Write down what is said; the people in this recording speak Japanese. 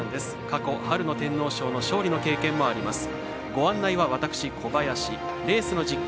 過去、春の天皇賞の勝利の経験もあります。